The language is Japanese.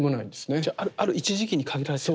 じゃあある一時期に限られてる。